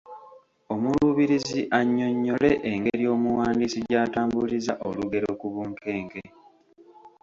Omuluubirizi annyonnyole engeri omuwandiisi gy’atambuliza olugero ku bunkenke.